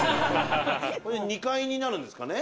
２階になるんですかね。